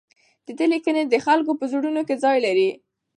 د ده لیکنې د خلکو په زړونو کې ځای لري.